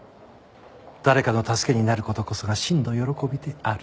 「誰かの助けになることこそが真の喜びである」。